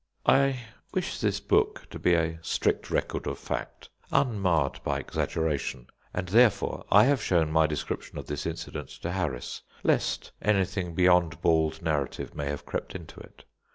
I wish this book to be a strict record of fact, unmarred by exaggeration, and therefore I have shown my description of this incident to Harris, lest anything beyond bald narrative may have crept into it.